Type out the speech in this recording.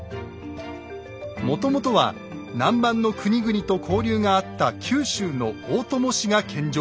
もともとは南蛮の国々と交流があった九州の大友氏が献上したもの。